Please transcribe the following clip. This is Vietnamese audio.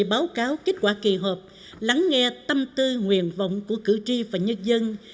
để báo cáo kết quả kỳ hợp lắng nghe tâm tư nguyện vọng của cử tri và nhân dân